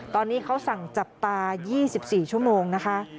ตอนนี้เขาสั่งจับตา๒๔ชั่วโมงนะคะ